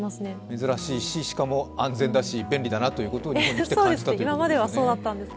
珍しいし、安全だし便利だなということを日本に来て感じたということですね。